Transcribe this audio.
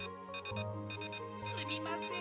「すみません。